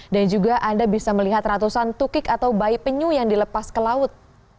dan juga anda bisa melihat ratusan tukik atau bayi penyu yang dilepas ke laut